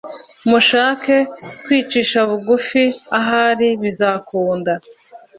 mushake kwicisha bugufi Ahari bizakunda